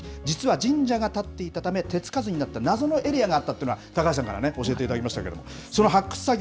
実は神社が建っていたため、手付かずになった謎のエリアがあったというのを高橋さんに教えていただきましたけど。